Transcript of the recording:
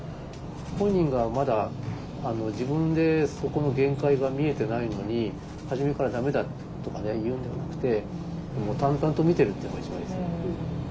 本人がまだ自分でそこの限界が見えてないのに初めから「駄目だ」とか言うんではなくてもう淡々と見てるっていうのが一番いいですね。